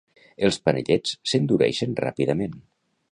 Els panellets s'endureixen ràpidament.